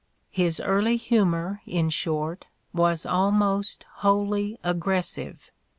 His early humor, in short, was almost wholly aggressive.